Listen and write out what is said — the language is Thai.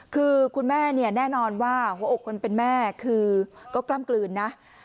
คือคุณแม่เนี่ยแน่นอนว่าหัวอกคนเป็นแม่คือก็กล้ำกลืนนะ